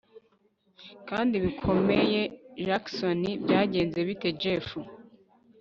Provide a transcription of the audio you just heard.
kandi bikomeyeJackson byagenze bite Jeff